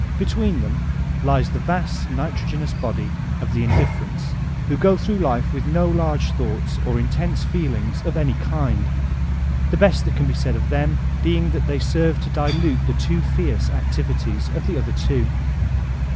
Between them lies the vast nitro* genoos body of the indifferents, who go through life with no large thoughts or intense feelings of any kind, the best that can be said of them being that they serve to dihite the too fierce activities of the other two.